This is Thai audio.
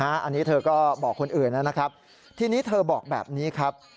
อันนี้เธอก็บอกคนอื่นนะครับทีนี้เธอบอกแบบนี้ครับ